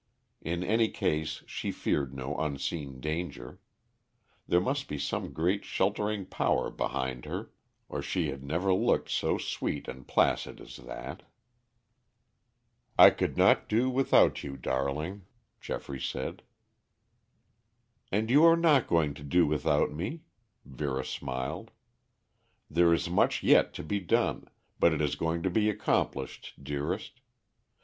In any case she feared no unseen danger. There must be some great sheltering power behind her, or she had never looked so sweet and placid as that. "I could not do without you, darling," Geoffrey said. "And you are not going to do without me," Vera smiled. "There is much yet to be done, but it is going to be accomplished, dearest.